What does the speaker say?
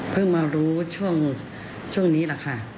มารู้ช่วงนี้แหละค่ะ